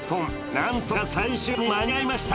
なんとか最終バスに間に合いました。